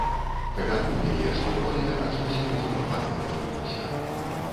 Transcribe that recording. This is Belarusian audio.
Капянуў яе, што доле аж на сярэдзіну хаты апынілася.